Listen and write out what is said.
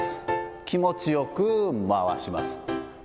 気持ちよく回します。